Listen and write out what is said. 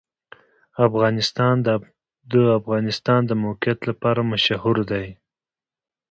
افغانستان د د افغانستان د موقعیت لپاره مشهور دی.